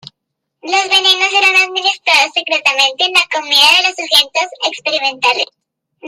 Los venenos eran administrados secretamente en la comida de los sujetos experimentales.